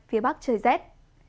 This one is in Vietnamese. phía bắc trời rết